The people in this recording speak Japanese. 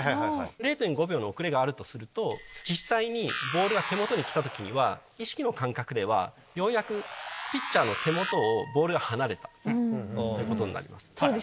０．５秒の遅れがあるとすると実際にボールが手元に来た時には意識の感覚ではようやくピッチャーの手元をボールが離れたってことになります。